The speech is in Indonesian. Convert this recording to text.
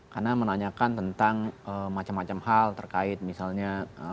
karena menanyakan tentang macam macam hal terkait misalnya